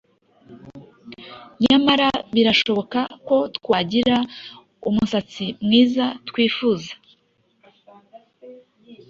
Nyamara birashoboka ko twagira umusatsi mwiza twifuza